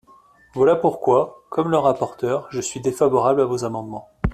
Voilà pourquoi, comme le rapporteur, je suis défavorable à vos amendements.